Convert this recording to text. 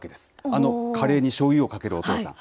あのカレーにしょうゆをかけるお父さん。